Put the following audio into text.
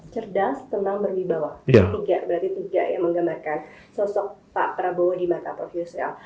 cerdas tenang berwibawa berarti tiga ya menggambarkan sosok pak prabowo di mata prof israel